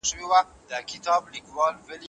هغه وویل په نړۍ کې سپک خواړه هر ځای شتون لري.